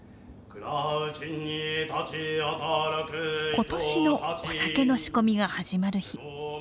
今年のお酒の仕込みが始まる日。